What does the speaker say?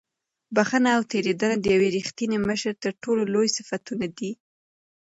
بښنه او تېرېدنه د یو رښتیني مشر تر ټولو لوی صفتونه دي.